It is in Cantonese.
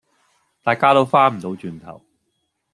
大家都翻唔到轉頭